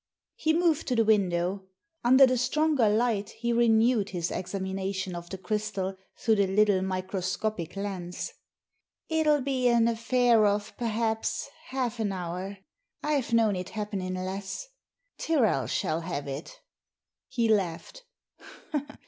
'* He moved to the window. Under the stronger light he renewed his examination of the crystal through the little microscopic lens. " It'll be an affair of perhaps half an hour. I've known it happen in less. Tyrrel shall have it" He laughed.